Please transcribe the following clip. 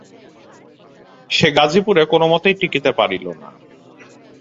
সে গাজিপুরে কোনোমতেই টিকিতে পারিল না।